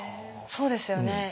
そうですよね。